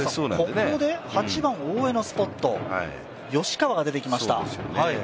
ここで８番大江のスポット吉川が出てきました。